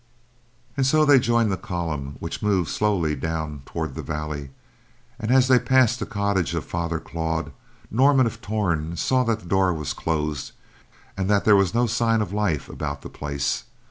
And so they joined the column which moved slowly down toward the valley and as they passed the cottage of Father Claude, Norman of Torn saw that the door was closed and that there was no sign of life about the place.